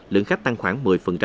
lượng khách tăng khoảng một mươi